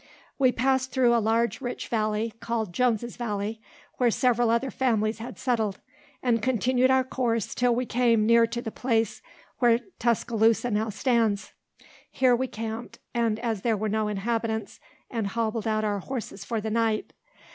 We passed through a large rich valley, called Jones's valley, where several other families had settled, and continued our course till we came near to the place where Tuscaloosa now stands. Here we camped, as there were no inhabitants, and hobbled out our horses for the night.